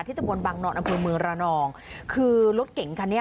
ที่ตะบนบังนอนอันพลเมืองระนองคือรถเก่งค่ะเนี่ย